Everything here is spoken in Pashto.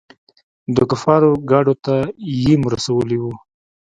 د کفارو ګاډو ته يېم رسولي وو.